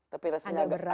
tapi rasanya agak susah